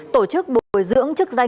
tổ chức bồi dưỡng chức danh